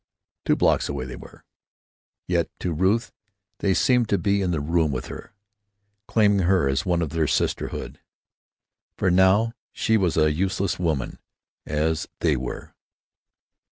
Two blocks away they were—yet to Ruth they seemed to be in the room with her, claiming her as one of their sisterhood. For now she was a useless woman, as they were.